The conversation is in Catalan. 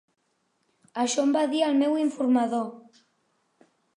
Això em va dir el meu informador.